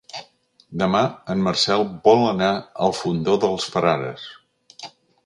Demà en Marcel vol anar al Fondó dels Frares.